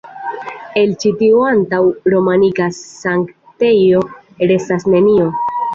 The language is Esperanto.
El ĉi tiu antaŭ-romanika sanktejo, restas nenio.